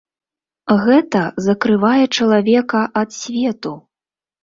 Гэта закрывае чалавека ад свету.